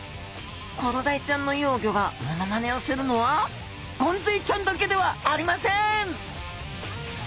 コロダイちゃんの幼魚がモノマネをするのはゴンズイちゃんだけではありません！